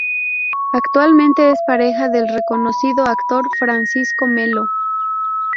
Actualmente es pareja del reconocido actor Francisco Melo.